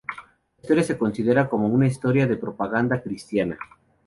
La historia se considera como una historia de propaganda cristiana.